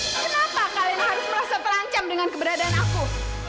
kenapa kak lena harus merasa terancam dengan keberadaan aku